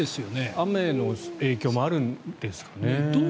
雨の影響もあるんですかね。